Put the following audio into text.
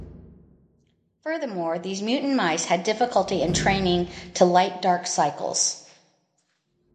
Furthermore, these mutant mice had difficulty entraining to light-dark cycles.